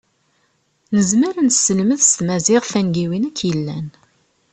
Nezmer ad neselmed s tmaziɣt tangiwin akk yellan.